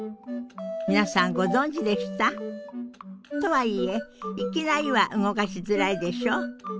皆さんご存じでした？とはいえいきなりは動かしづらいでしょ？